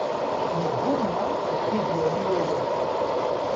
Yeggumma ad t-id-yali wawal.